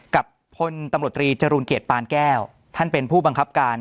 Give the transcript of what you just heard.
กับพลตำรวจตรีจรูลเกียรติปานแก้วท่านเป็นผู้บังคับการ